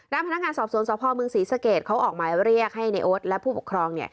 ด้านพนักงานสอบโทรศพมศสเกษเขาออกมาเรียกให้เนอดและผู้ปกครอง